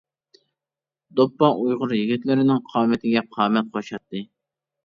دوپپا ئۇيغۇر يىگىتلىرىنىڭ قامىتىگە قامەت قوشاتتى.